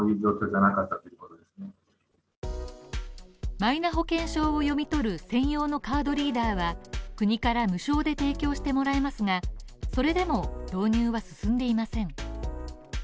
マイナ保険証を読み取る専用のカードリーダーは国から無償で提供してもらえますがそれでも導入が進んでいません。